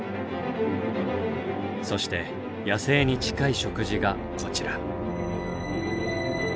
そして野生に近い食事がこちら。